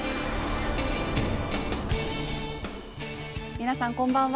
皆さんこんばんは。